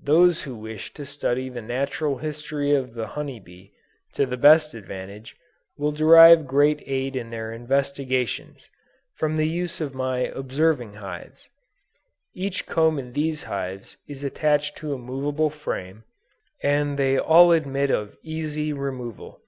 Those who wish to study the Natural History of the honey bee, to the best advantage, will derive great aid in their investigations, from the use of my Observing Hives. Each comb in these hives is attached to a movable frame, and they all admit of easy removal.